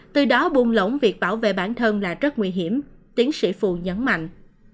từ đó buông lỏng việc bảo vệ bản thân là rất nguy hiểm tiến sĩ phù nhấn mạnh